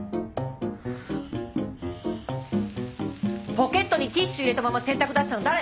ポケットにティッシュ入れたまま洗濯出したの誰？